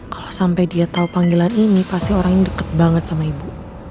kalo sampe dia tau panggilan ini pasti orang ini deket banget sama ibu